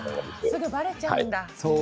すぐばれちゃうんだ。